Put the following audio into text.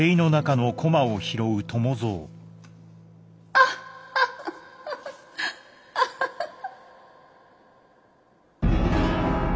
・アッハハハアハハハ。